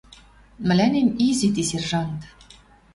Мӹлӓнем изи ти сержант.